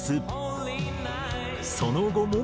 その後も。